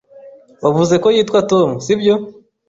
Wavuze ko yitwa Tom, sibyo?